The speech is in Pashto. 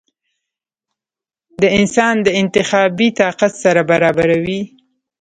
د انسان د انتخابي طاقت سره برابروې ؟